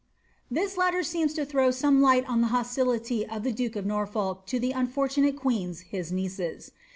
"* This letter seems to throw some light on the hostility of the duke of Norfolk to the unfortunate queens his nieces.